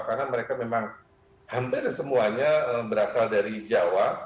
karena mereka memang hampir semuanya berasal dari jawa